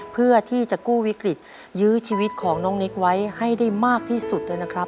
เพื่อที่จะกู้วิกฤตยื้อชีวิตของน้องนิกไว้ให้ได้มากที่สุดนะครับ